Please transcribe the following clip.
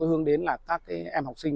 hướng đến các em học sinh